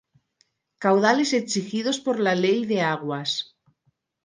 caudales exigidos por la Ley de Aguas